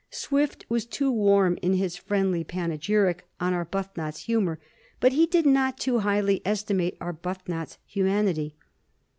Swift was too warm in his friendly panegyric on Arbuthnot's humor, but be did not too highly estimate Arbuthnot's humanity.